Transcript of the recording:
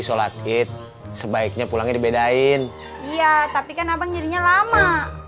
sholat id sebaiknya pulangnya dibedain iya tapi kan abang jadinya lama